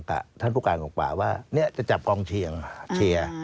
กับท่านผู้การของปราบว่านี่จะจับกองเชียร์